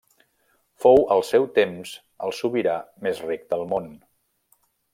Fou al seu temps el sobirà més ric del món.